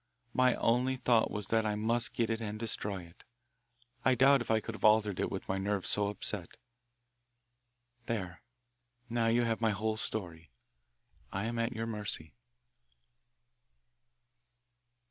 My only thought was that I must get it and destroy it. I doubt if I could have altered it with my nerves so upset. There, now you have my whole story. I am at your mercy."